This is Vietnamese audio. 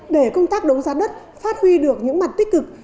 để công tác đấu giá đất phát huy được những mặt tích cực